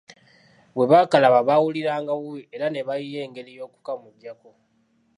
Bwe bakalaba baawulira nga bubi era ne bayiiya engeri y'okukamujjako.